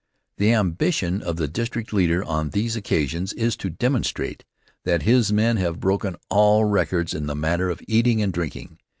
The ambition of the district leader on these occasions is to demonstrate that his men have broken all records in the matter of eating and drinking.